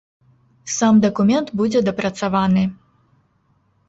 Сам дакумент будзе дапрацаваны.